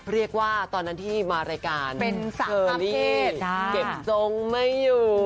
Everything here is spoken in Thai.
เรียกว่าตอนนั้นที่มารายการเซอร์ลี่เก็บจงไม่อยู่